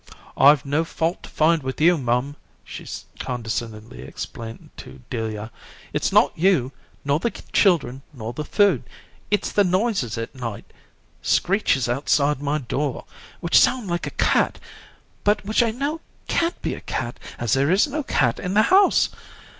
'I've no fault to find with you, mum,' she condescendingly explained to Delia. 'It's not you, nor the children, nor the food. It's the noises at night screeches outside my door, which sound like a cat, but which I know can't be a cat, as there is no cat in the house.